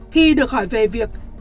khi được hỏi về việc làm gì